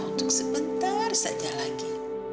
untuk sebentar saja lagi